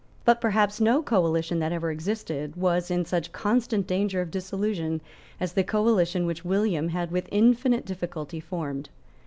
But perhaps no coalition that ever existed was in such constant danger of dissolution as the coalition which William had with infinite difficulty formed.